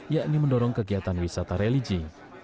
yakni mendorong kegiatan wisata religi